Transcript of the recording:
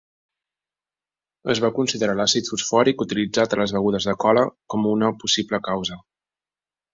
Es va considerar l'àcid fosfòric utilitzat en les begudes de cola com a una possible causa.